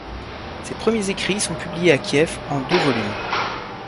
Ses premiers écrits sont publiés à Kiev en deux volumes.